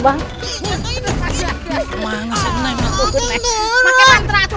maka mantra mantra mau